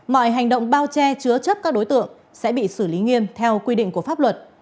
mọi hành động bao che chứa chấp các đối tượng sẽ bị xử lý nghiêm theo quy định của pháp luật